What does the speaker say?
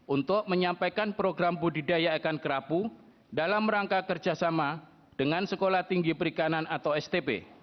untuk menyampaikan program budidaya ikan kerapu dalam rangka kerjasama dengan sekolah tinggi perikanan atau stb